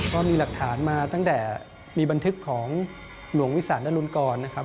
ก็มีหลักฐานมาตั้งแต่มีบันทึกของหลวงวิสานดรุนกรนะครับ